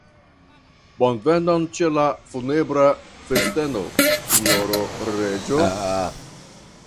Bonvenon ĉe la funebra festeno, sinjoro reĝo!